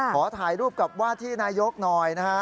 ขอถ่ายรูปกับว่าที่นายกหน่อยนะฮะ